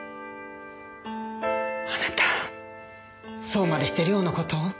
あなたそうまでして良の事を？